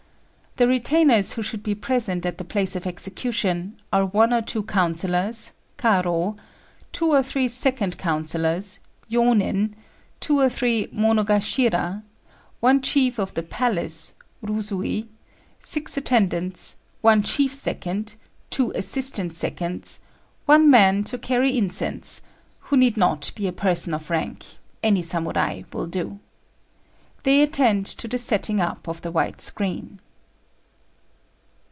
The retainers who should be present at the place of execution are one or two councillors (Karô), two or three second councillors (Yônin), two or three Mono gashira, one chief of the palace (Rusui), six attendants, one chief second, two assistant seconds, one man to carry incense, who need not be a person of rank any Samurai will do. They attend to the setting up of the white screen.